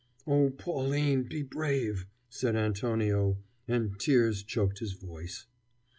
"Oh, Pauline, be brave!" said Antonio, and tears choked his voice.